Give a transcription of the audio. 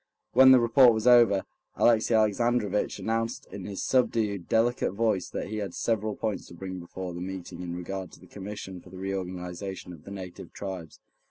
When the report was over, Alexey Alexandrovitch announced in his subdued, delicate voice that he had several points to bring before the meeting in regard to the Commission for the Reorganization of the Native Tribes.